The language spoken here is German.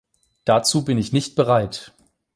Dazu bin ich nicht bereit!